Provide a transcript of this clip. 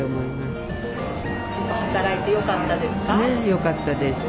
よかったです。